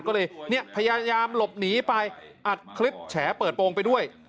ก็เลยเนี่ยพยายามหลบหนีไปอัดคลิปแฉเปิดโปรงไปด้วย